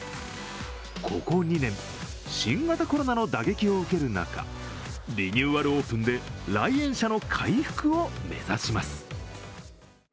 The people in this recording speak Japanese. ここ２年、新型コロナの打撃を受ける中、リニューアルオープンで来園者の回復を目指します。